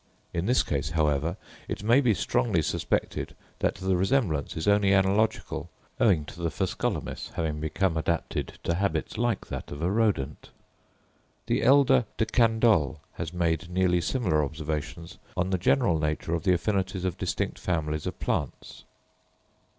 In this case, however, it may be strongly suspected that the resemblance is only analogical, owing to the Phascolomys having become adapted to habits like those of a Rodent. The elder De Candolle has made nearly similar observations on the general nature of the affinities of distinct families of plants.